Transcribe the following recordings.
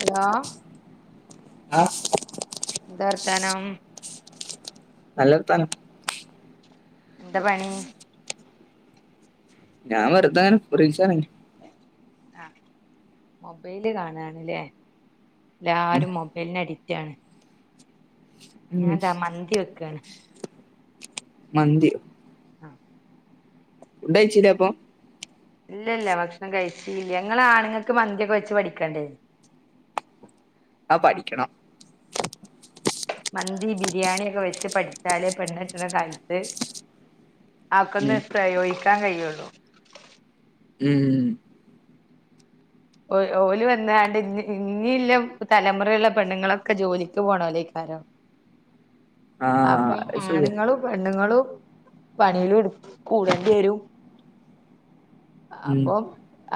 Hello ആഹ് എന്താ വർത്താനം നല്ല വർത്താനം എന്താ പണി ഞാൻ വെർതങ്ങനെ റിൽസ് കാണേനി ആഹ് മൊബൈല് കാണാണ്ലേ എല്ലാരും മൊബൈൽ നഡിക്റ്റാണ് ഉം, ഞാൻതാ മന്തി വെക്കാണ് മന്തിയോ ആഹ് ഫുഡ്‌ കഴിച്ചില്ലേ അപ്പൊ ഇല്ലില്ല ഭക്ഷണം കഴിച്ചില്ല നിങ്ങള് ആണുങ്ങക്ക് മന്തിയൊക്കെ വെച്ച് പഠിക്കണ്ടേ ആഹ് പഠിക്കണം മന്തി ബിരിയാണിയൊക്കെ വെച്ച് പഠിച്ചാലേ പെണ്ണെട്ടണ കാലത്ത് ആക്കൊന്ന് ഉം, ഇഷ്ടായി ഒയിക്കാൻ കയൊള്ളൂ ഉം ഓയ് ഓല് വന്നാണ്ട് ഇഞ്ഞി ഇഞ്ഞില്ല തലമുറലെള്ള പെണ്ണുങ്ങളൊക്കെ ജോലിക്ക് പോണോലേക്കാരം ആ അപ്പം അത് ശരിയാ ആണുങ്ങളും പെണ്ണുങ്ങളും പണില് കൂടെണ്ടി വരും ഉം, അപ്പോം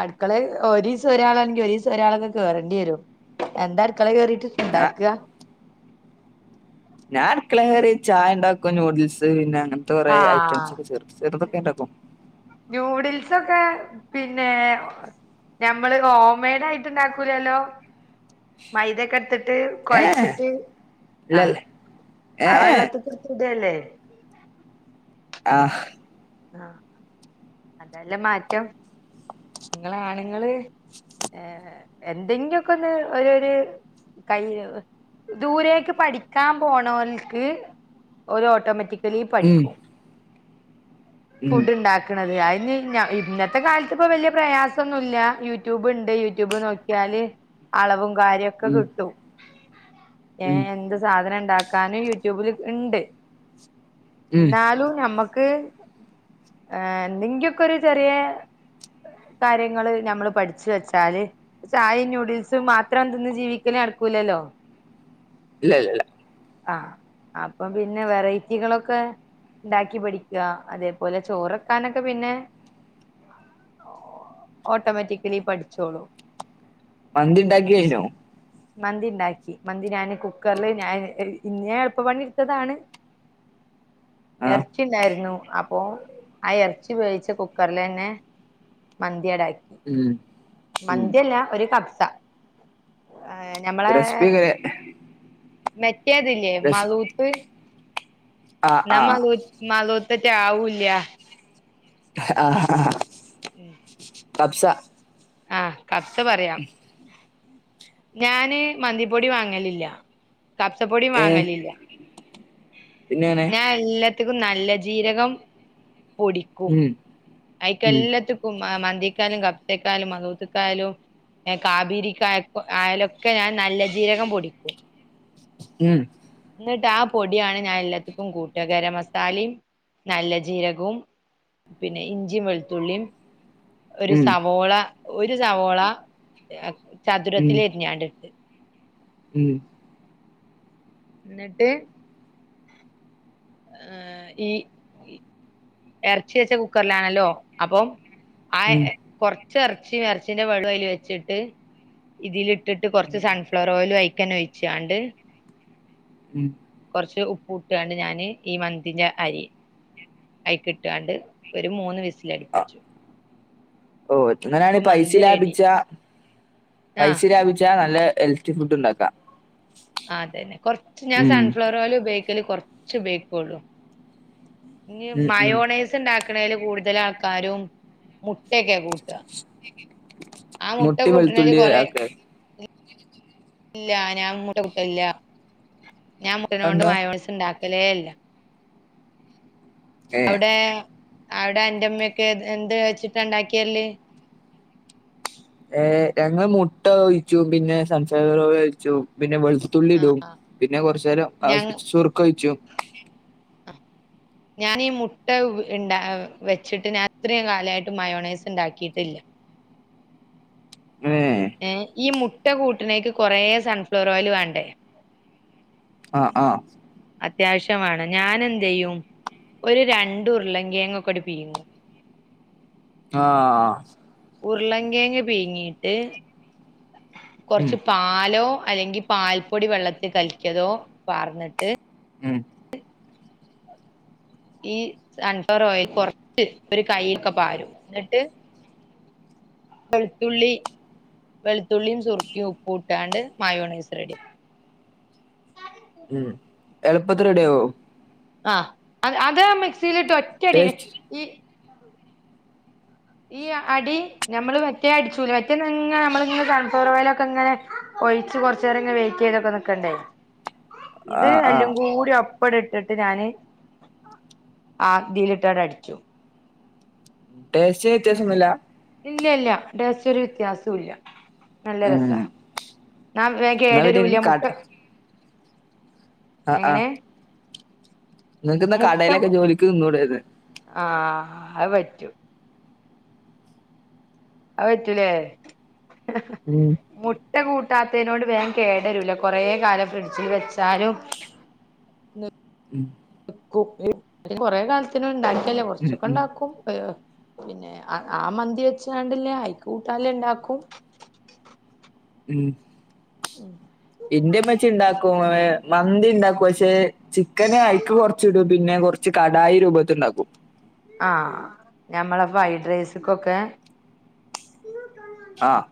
അടുക്കള ഒരിസ് സം ഒരാളാണെങ്കി ഒരീസം ഒരാളൊക്കെ കേറേണ്ടി വരും എന്താ അടുക്കളെ കേറിട്ട് ഞാ- ഇണ്ടാക്ക ഞാൻ അട്ക്കളെ കേറി ചായെണ്ടാക്കും ന്യൂഡിൽസ് പിന്ന അങ്ങനെ ത്ത കുറെ ആഹ് ഐറ്റംസ്ക്കെ ചെറ്ത് ചെറ്തൊക്കെ ഉണ്ടാക്കും ന്യൂഡിൽസൊക്കെ പിന്നെ ഞമ്മള് ഹോം മെയ്ഡ് ആയിട്ട് ഇണ്ടാക്കൂലല്ലോ മൈദ ഒക്കെ ഇട്ട് ട്ട് ഏ കൊഴച്ചിട്ട് ആഹ് ഇല്ലല്ലേ ഏ ആ വെള്ളത്തിക്ക് ഇട്ത്ത് ഇടല്ലേ ആഹ് ആഹ് അതല്ലെ മാറ്റം ഇങ്ങളാണ്ങ്ങള് ഏഹ് എന്തെങ്കിയ്ക്കൊന്ന് ഒരു ഒര് കയ്യ് ദൂരേക്ക് പഠിക്കാൻ പോണോൽക്ക് ഓര് ഓട്ടോമാറ്റിക്കലി ഉം, പഠിക്കും ഉം, ഫുഡ് ഉണ്ടാക്ക് ക്കണത് അയ്ന് ഞ ഇന്നത്തെ കാലത്ത് ഇപ്പൊ വല്യ പ്രയാസൊന്നുല്യ യൂട്യൂബ് ഇണ്ട് യൂട്യൂബ് നോക്കിയാല് അളവും കാര്യോക്ക ഉം, കിട്ടും ഉം, ഏഹ് എന്ത് സാധന ഇണ്ടാക് ക്കാനും യൂട്യൂബില് ഇണ്ട് ഉം. ഇന്നാലും ഞമ്മക്ക് ഏഹ് എന്തെങ്കി ഒക്കെ ഒരു ചെറിയെ കാര്യങ്ങള് ഞമ്മള് പഠിച്ച് വെച്ചാല് ചായെം നൂഡിൽസും മാത്രം തിന്ന് ജീവിക്കല് നടക്കൂലല്ലോ ഇല്ല ഇല്ല ഇല്ല ആഹ് അപ്പം പിന്നെ വെറൈറ്റികളൊക്കെ ഇണ്ടാക്കി പഠിക്ക അതേപോലെ ചോറെക്കാനൊക്കെ പിന്നെ ഓട്ടോമാറ്റിക്കലി പഠിച്ചോളും മന്തി ഇണ്ടാക്കി കയ്നോ മന്തി ഇണ്ടാക്കി മന്തി ഞാന് കുക്കറില് ഞാൻ ഇന്ന് ഞാൻ എളുപ്പ പണി ഇടുത്തതാണ് ആ എറച്ചി ഇണ്ടായിരുന്നു അപ്പോ ആ എറച്ചി വേവിച്ച കുക്കറിലെന്നെ മന്തി അടാക്കി ഉം മന്തി അല്ല ഒരു കബ്സ ഏഹ് ഞമ്മളെ റെസിപ്പി മെറ്റതില്ലേ റെസിപ്പി മഗൂത്ത് ആ എന്നാ മഗൂ മഗൂത്തേറ്റെ ആവുല്യ അഹ് ആഹ് ഉം കഫ്സ കഫ്സ പറയാം ഞാന് മന്തിപ്പൊടി വാങ്ങലില്ല കപ്സപ്പൊടിം ഏ വാങ്ങലില്ല പിന്നെങ്ങനെ ഞാൻ എല്ലാത്തിക്കും നല്ല ജീരകം പൊടിക്കും ഉം അയ്ക്ക് ഉം എല്ലാത്ത് ക്കും ആഹ് മന്തിക്കാലും കഫ്സെ ക്കാലും മദ്ഹൂത്ത്ക്കായാലും ഏഹ് കാബീരിക്കായ്ക്കൊ ആയാലുക്കെ ഞാൻ നല്ല ജീരകം പൊടിക്കും ഉം ഇന്നിട്ട് ആ പൊടിയാണ് ഞാൻ എല്ലാത്തിക്കും കൂട്ട ഗരം മസാലയും നല്ല ജീരകും പിന്നെ ഇഞ്ചിയും വെളുത്തുള്ളിയും ഒരു ഉം സവോള ഒരു സവോള ചതുരത്തില് ഉം എരിഞ്ഞാണ്ടിട്ട് ഉം എന്നിട്ട് ഏഹ് ഈ ഇറച്ചി വെച്ച കുക്കറില് ആണല്ലോ അപ്പം ആഹ് ഉം കൊറച്ച് ഇറച്ചി ഇറച്ചിന്റെ വെള്ളോ അയില് വെച്ചിട്ട് ഇതിൽ ഇട്ടിട്ട് കൊറച്ച് ഉം സൺഫ്ലവർ ഓയിൽ ഒയിക്കാൻ ഒഴിചോണ്ട് ഉം കൊറച്ച് ഉപ്പ് ഇട്ട് കൊണ്ട് ഞാന് ഈ മന്തിന്റെ അരി അയിക്കിട്ട് കൊണ്ട് ഒരു മൂന്ന് വിസില് അ അടിപ്പിച്ചു ഓ ഇങ്ങനെ ആണ് പൈസ മന്തി റെഡി ലാഭിച്ച പൈസ ആഹ് ലാഭിച്ച നല്ല എല്ല് റ്റു ഫുഡ് ഒണ്ടാക്കാം ആഹ് അതന്നെ കൊറച്ച് ഞാൻ ഉം സൺഫ്ലവർ ഓയില് ഉപയോഗിക്കല് കൊറച്ച് ഉപയോഗിക്ക് ഒള്ളു ഇനി ഉം ഉം മയോണൈസ് ഒണ്ടാക്കണേൽ കൂടുതൽ ആൾക്കാരും മുട്ട ഒക്കെ കൂട്ടുക ആ മുട്ടി കൂട്ടണേല് വെളുത്തുള്ളി കൊറെ ആക്കെ ഇല്ല ഞാൻ മുട്ട കുട്ടില്ല ഞാൻ മുട്ടനെ കൊണ്ട് അതെന്താ മായോണസ് ഇണ്ടാക്കും എലേ ല്ല ഏ അവിടെ അവിടെ അന്റെ അമ്മ ഒക്കെ എന്ത്‌ എന്ത് വെച്ചിട്ട് ഒണ്ടാക്കിയരല് ഏഹ് ഞങ്ങ മുട്ട ഒഴിച്ചു പിന്നെ സംസാറോ ഓയിൽ ഒഴിച്ചു പിന്നെ വെളു തുള്ളി ഇടും ആഹ് പിന്നെ കൊറച്ച് നേരം ആവിശ്യപിച്ച് ഞങ്ങ ശുറുക്ക ഒഴിക്കും ഞാനി ഈ മുട്ട ഇണ്ട വെച്ചിട്ട് ഞാൻ അത്രയും കാലമായിട്ട് മയോണൈസ് ഉണ്ടാക്കിയിട്ടില്ല ഏഹ് ഏഹ് ഈ മുട്ട കൂട്ടിനേക്ക് കൊറെേ സൺഫ്ലോർ ഓയിൽ വേണ്ടേ ആഹ് ആഹ് അത്യാവശ്യാം വേണം ഞാൻ എന്ത്‌ ചെയ്യും ഒരു രണ്ട് ഉരുളങ്കേങ്ങ് ഒക്കെ അട് പീങ്ങു ആഹ് ആഹ് ഉരുളങ്കേങ്ങ് പീങ്ങിട്ട് ഉം കൊറച്ച് പാലോ അല്ലെങ്കി പാൽപ്പൊടി വെള്ളത്തിൽ കലക്കിയതോ പാർന്നിട്ട് ഉം ഈ സൺ‌ഫ്ലവർ ഓയിൽ കൊറച്ച് ഒരു കൈൽക്ക് പാരും എന്നിട്ട് വെളുത്തുള്ളി വെളുത്തുള്ളിയും സുറുക്കിം ഉപ്പും ഇട്ടാണ്ട് മായോണേസ് റെഡി ഉം എളുപ്പത്തി റെടിയാവോ ആഹ് അ അത് മിക്സിയിലിട്ട് ഒറ്റടി ടേസ്റ്റ് ഈ ഈ അടി ഞമ്മള് മറ്റേ അടിച്ചൂല മറ്റേ അങ്ങ് നമ്മള് ഇങ്ങനെ സൺഫ്ലവറോയൽ ഒക്കെ ഇങ്ങനെ ഒഴിച്ച് കൊറച്ച് നേരം ഇങ്ങനെ വെയിറ്റ് ചെയ്ത് ഒക്കെ നിക്കണ്ടേ ഇത് ആഹ് അല്ലും ആഹ് കൂടി അപ്പ ഇപ്പോള് ഇട്ടിട്ട് ഞാനെ ആഗിയിലിട്ട് അങ്ങ് അടിച്ചു ടെസ്റ്റിന് വ്യത്യാസം ഒന്നും ഇല്ല ഇല്ല ഇല്ല ടെസ്റ്റ്‌ ഒരു വ്യത്യാസവും ഇല്ല നല്ല ഉം രസാ നാ വേം എന്നാ പിന്നെ കേടരൂല ഇങ്ങക്ക് മുട്ട കട എങ്ങനെ നിങ്ങക്ക് ഇന്ന് മുട്ട കടയലെ ഒക്കെ ജോലിക്ക് നിന്നൂടെ എയിരിന്ന ആഹ് അ പറ്റും അത് പറ്റൂലേ ഉം മുട്ട കൂട്ടാത്തേനോട് വേം കേടരൂല കൊറെ കാലം ഫ്രിഡ്ജി വെച്ചാലും ഉം ക്കും ഉം കൊറെ കാലത്തിന് ണ്ടാക്കിയല്ല ഉം ഉം കൊർച്ചൊക്കെണ്ടാക്കും അയോ പിന്നെ ആ മന്തി വെച്ചാണ്ട്ല്ലേ അയ്ക്ക് കൂട്ടാല്ലേ ണ്ടാക്കും ഉം. ഉം ഇന്റെമ്മച്ചി ണ്ടാക്കും. ഏഹ് മന്തി ണ്ടാക്. പക്ഷെ ചിക്കന് അയ്ക്ക് കൊർച്ചിടും പിന്നെ കൊർച്ച് കടായി രൂപത്ത്‌ണ്ടാക്കും. ആഹ് ഞമ്മളെ ഫ്രൈഡ് റൈസ്ക്കൊക്കെ. ആഹ്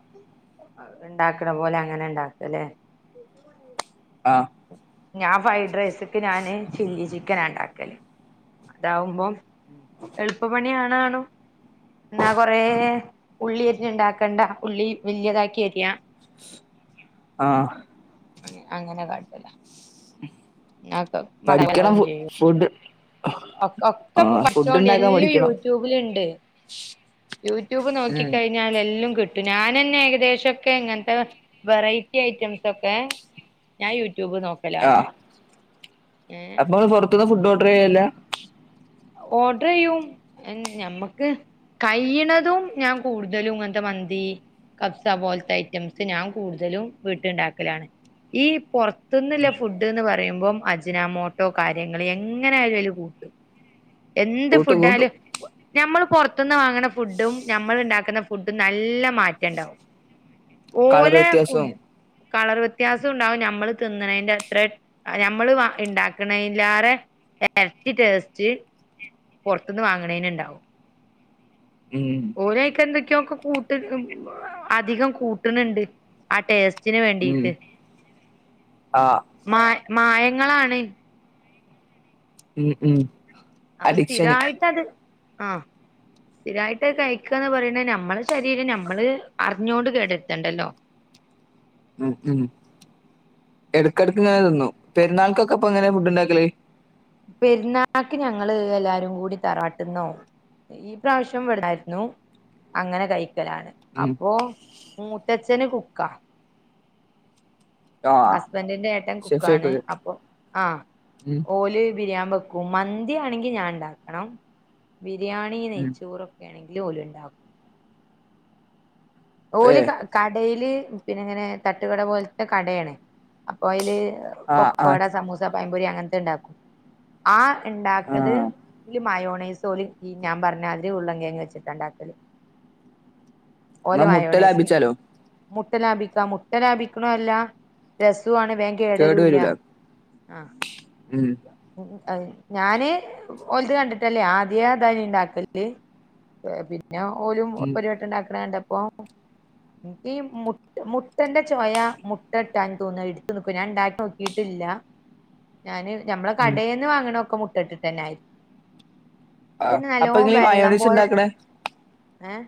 ഇണ്ടാക്ക്ണ പോലെ അങ്ങനെ ണ്ടാക്ക ലേ. ആഹ് ഞാൻ ഫൈഡ് റൈസ്ക്ക് ഞാന് ചില്ലി ചിക്കനാണ്ടാക്കല് അതാവുമ്പോ. എൾപ്പ പണിയാണാണും. ന്നാ കൊറേ ഉള്ളി അര്ഞ്ഞ്ണ്ടാക്കണ്ട ഉള്ളി വല്യതാക്കി അര്യാ. ആഹ്. അങേ അങ്ങനെ കാട്ടലാ, നാപ്പം പഠിക്കണം ഫു ഫുഡ്. ഒ ഒക്കെ ആഹ് ഫുഡ് പട്ച്ചോണ്ടി ഇണ്ടാക്കാൻ എല്ലും പഠിക്കണം യൂട്യൂബിലുണ്ട്, യൂട്യൂബ് നോക്കി ഉം കയ് ഞ്ഞാലെല്ലും കിട്ടും. ഞാനന്നെ ഏകദേശൊക്കെ ഇങ്ങൻത്തെ വെറൈറ്റി ഐറ്റംസൊക്കെ. ഞാ യൂടൂബ് നോക് ആഹ് ഉം. അപ്പൊ ങ്ങള് പൊറത്ത്‌ന്ന് ഫുഡ്ഡ് ഓഡറെയ്യല്ല. ഓഡ്രെയ്യും. ഞമ്മക്ക് കയ്യ്ണതും ഞാൻ കൂടുതലും ഇങ്ങൻത്ത മന്തി. കബ്സ പോൽത്തെ ഐറ്റംസ് ഞാൻ കൂടുതലും വീട്ട്ണ്ടാക്കലാണ്. ഈ പൊർത്ത്‌ന്ന്ല്ല ഫുഡ്ഡ്ന്ന് പറയുമ്പോ അജനാമോട്ട കാര്യങ്ങള് എങ്ങനായാലും അയ്ല് കൂട്ടും. എന്ത് കൂട്ടും കൂട്ടും ഫുഡായാലും. ഞമ്മള് പൊർത്ത്‌ന്ന് വാങ്ങണ ഫുഡും നമ്മൾ ഉണ്ടാക്കുന്ന ഫുഡും നല്ല മാറ്റണ്ടാവും. കളർ ഓല വ്യത്യാസവും ഫുഡ് കളർ വ്യത്യാസുണ്ടാവും, നമ്മള് തിന്നണതിന്റെത്ര ഞമ്മള് ഇണ്ടാക്കണേലേറെ എരട്ടി ടേസ്റ്റ്. പൊർത്ത്‌ന്ന് വാങ്ണേന്ണ്ടാവും. ഉം. ഓരയ്ക്കെന്തൊക്കെയോ ഒക്കെ കൂട്ട് അധികം കൂട്ടുണ് ണ്ട് ആ ടേസ്റ്റിന് ഉം വേണ്ടിയിട്ട് ആഹ് മാ മായങ്ങളാണ്. ഉം ഉം. അപ്പ അഡിക്ഷന് സ്ഥിരവായിട്ടത് ആഹ്. സ്ഥിരായിട്ടഹ് കഴിക്കന്ന് പറയണ നമ്മളെ ശരീരം നമ്മള് അറിഞ്ഞോണ്ട് കേടര്ത്തണ്ടല്ലോ. ഉം ഉം എട്ക്കെട്ക്ക്ങ്ങനെ തിന്നും. പെരുന്നാൾക്കൊക്കെപ്പ എങ്ങനേ ഫുഡ് ണ്ടാക്കല്. പെര്ന്നാക്ക് ഞങ്ങള് എല്ലാരും കൂടി തറവാട്ട്ന്നോ. ഈ പ്രാവശ്യം വടായിരുന്നു, അങ്ങനെ കയിക്കലാണ്.. ഉം അപ്പോ മൂത്തച്ഛന് കുക്ക. ആഹ് ഹസ്ബന്റിന്റെ ഏട്ടൻ കുക്കാണ്. ഷെഫേക്കുലേ അപ്പൊ ആഹ് ഉം ഓല് ബിരിയാൻ ബെക്കും. മന്തിയാണെങ്കി ഞാൻ ഇണ്ടാക്കണം ബിരിയാണി ഉം നെയ്ച്ചോറൊക്കെ ആണെങ്കില് ഓല് ഇണ്ടാക്കും. ഓല് ഏഹ് കടയില് പിന്നങ്ങനെ തട്ടുകട പോലത്തെ കടയാണ് അപ്പൊ അയ്ല്. ആഹ് ആഹ് ക്കോട സമൂസ പയംപൊരി അങ്ങനത്തെ ഇണ്ടാക്കും ആ ഇണ്ടാക്കത് ആഹ് ഇല് മയോണൈസോലി ഈ ഞാൻ പറഞ്ഞാല് ഉര്ളം കേങ്ങ് വെച്ചിട്ട് ഇണ്ടാക്കത്. ഓല എന്നാ മുട്ട മയോണൈസ് ലാഭിച്ചാലോ മുട്ട ലാഭിക്ക മുട്ട ലാഭിക്കണല്ല രസാണ് വേ കേടു കേടരൂല്ല വരൂല ആഹ് ഉം ഉം ഞാന് ഓലത് കണ്ടിട്ടല്ലേ ആദ്യ ധനി ഇണ്ടാക്കല് പിന്ന ഓലും ഉം ഒരുവെട്ടം ഇണ്ടാക്കണ കണ്ടപ്പം ഈ മു മുട്ടന്റെ ചൊയാ മുട്ട ഇട്ടാൻ തോന്നാ എടുത്ത് നിക്കുവാ ഞാൻ ഇണ്ടാക്കി നോക്കീട്ടില്ല. ഞാന് ഞമ്മള് ഉം കടേന്ന് വാങ്ങണ ഒക്കെ മുട്ട ഇട്ടന്നെ ആയിരിക്കും. ആഹ് പിന്നെ അപ്പൊ നല്ലോം ഇങ്ങളീ വെള്ളം മയോണൈസ് പോലെ ഇണ്ടാക്കണേ ഏഹ്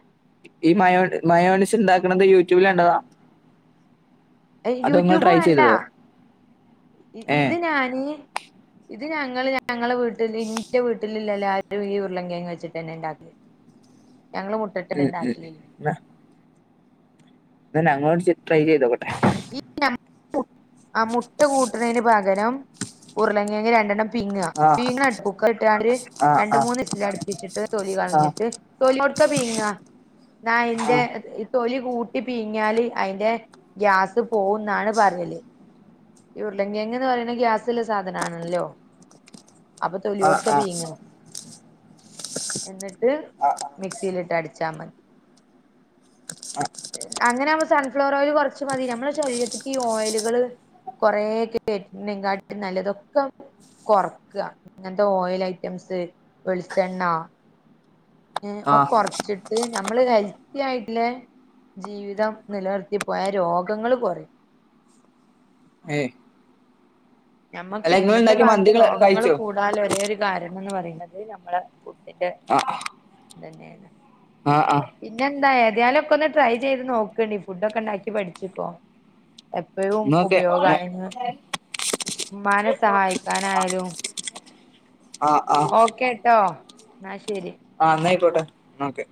ഈ മയോ മയോണിസ് ഉണ്ടാക്കണുന്നത് യൂട്യൂബിൽ കണ്ടതാ. അതോ ഇങ്ങൾ യൂട്യൂബ് ട്രൈ വേണ്ട ചെയ്തതോ ഏഹ് ഇത് ഞാന് ഇത് ഞങ്ങള് ഞങ്ങളെ വീട്ടിൽ എന്റെ വീട്ടില് എല്ലാരും ഈ ഉരുളൻ കേങ്ങ് വെച്ചിട്ടന്നെ ഇണ്ടാക്കി ഞങ്ങള് മു ഉം ഉം എന്നാ ഞങ്ങോട്ട് [unintelligible] ട്രൈ ചെയ്ത് നോക്കട്ടെ ഈ നമ്മള് മുട്ട ആ മുട്ട കൂട്ടണന് പകരം ഉരുളങ്ങിയെങ്കിൽ രണ്ടെണ്ണം പിങ്ങുക ആഹ് പീങ്ങുക കുക്കറിട്ടാണ്ട് ആഹ് രണ്ടു ആഹ് മൂന്ന് വിസിൽ അടുപ്പിച്ചിട്ട് തൊലി ആഹ് കളഞ്ഞിട്ട് തൊലി കൊടുക്ക പീങ്ങാ എന്നാ അയിന്റെ ആഹ് തൊലി കൂട്ടി പീങ്ങാല് അയിന്റെ ഗ്യാസ് പോകുന്നാണ് പറയല്. ഈ ഉരുളകെങ്ങന്ന് പറയണത് ഗ്യാസുള്ള സാധനാണല്ലോ അപ്പൊ ആഹ് തൊലിയോർക്ക ആഹ് പീങ്ങും എന്നിട്ട് മിക്സിയിലിട്ട് അടിച്ചാൽ മതി. അങ്ങനെ ആകുമ്പോ സൺഫ്ലവർ ഓയിയില് കുറച്ച മതി നമ്മുടെ ശരീരത്തിക്ക് ഈ ഓയിലുകള് കൊറെക്കേ കേട്ടിണ്ടെകാട്ടി നല്ലതൊക്കെ കൊറക്കാ ഇങ്ങത്തെ ഓയിൽ ഐറ്റംസ്, വെളിച്ചെണ്ണ ഏഹ് ഓഹ് ആഹ് കുറച്ച് നമ്മള് ഹെൽത്തി ആയിട്ടുള്ള ജീവിതം നിലനിർത്തി പോയാൽ രോഗങ്ങള് കുറയും. ഏഹ് നമ്മുക്ക് അല്ല നിങ്ങൾ ഇന്നത്തെ ഉണ്ടാക്കിയ കാലത്ത് മന്തി ക രോഗങ്ങൾ കഴിച്ചോ കൂടാള്ള ഒരേ ഒരു കാരണം എന്ന് പറയുന്നത് നമ്മടെ ഫുഡിന്റെ ആഹ് തന്നെയാണ്. ആഹ് ആഹ് പിന്നെ എന്താ ഏതായാലൊക്കെ ഒന്ന് ട്രൈ ചെയ്ത് നോക്കണ്ടീ ഫുഡൊക്കെ ഒണ്ടാക്കി പഠിച്ചിക്കോ എപ്പോഴും എന്നാ ഓക്കെ ഉപയോഗാണിന്ന് ഉമ്മാനെ സഹായിക്കാനായാലും ആ ആ ഓക്കേട്ടോ എന്നാ ശരി. ആ എന്നായിക്കോട്ടെ എന്നാ ഓക്കെ